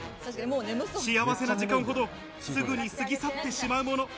幸せな時間ほど、すぐに過ぎ去ってしまうもの。